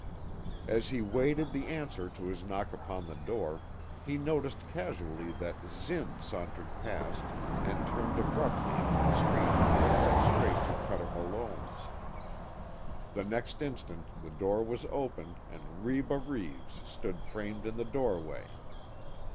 As he waited the answer to his knock upon the door, he noticed casually that Zinn sauntered past and turned abruptly into the street that led straight to Cuter Malone's. The next instant the door was opened and Reba Reeves stood framed in the doorway.